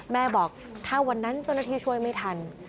บอกถ้าวันนั้นเจ้าหน้าที่ช่วยไม่ทัน